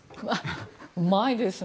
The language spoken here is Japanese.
うまいですね。